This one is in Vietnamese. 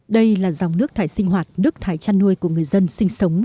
đây là dòng nước thải sinh hoạt nước thải chăn nuôi của người dân sinh sống